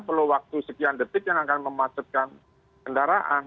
perlu waktu sekian detik yang akan memacetkan kendaraan